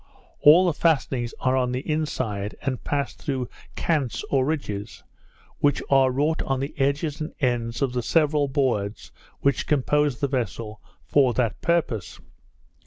All the fastenings are on the inside, and pass through kants or ridges, which are wrought on the edges and ends of the several boards which compose the vessel, for that purpose.